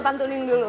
kita pantunin dulu